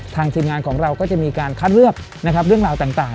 ทีมงานของเราก็จะมีการคัดเลือกนะครับเรื่องราวต่าง